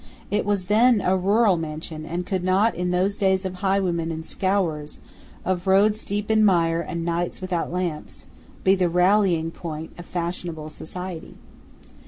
It was then a rural mansion, and could not, in those days of highwaymen and scourers, of roads deep in mire and nights without lamps, be the rallying point of fashionable society.